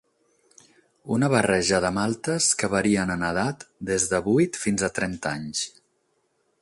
Una barreja de maltes que varien en edat des de vuit fins a trenta anys.